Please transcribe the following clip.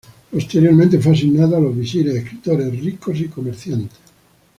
Posteriormente fue asignado a los visires, escritores, ricos y comerciantes.